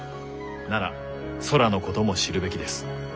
なら空のことも知るべきです。